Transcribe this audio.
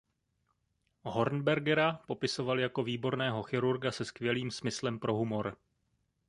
Hornbergera popisovali jako výborného chirurga se skvělým smyslem pro humor.